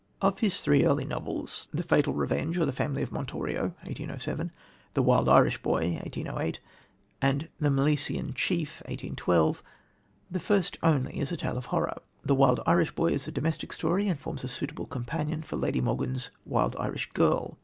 Of his three early novels, The Fatal Revenge or The Family of Montorio (1807), The Wild Irish Boy (1808) and The Milesian Chief (1812), the first only is a tale of horror. The Wild Irish Boy is a domestic story, and forms a suitable companion for Lady Morgan's Wild Irish Girl.